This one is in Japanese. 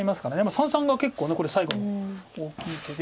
三々が結構これ最後の大きい手で。